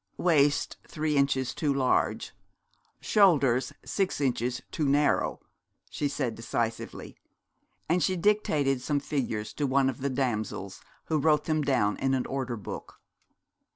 'Waist three inches too large, shoulders six inches too narrow,' she said decisively, and she dictated some figures to one of the damsels, who wrote them down in an order book.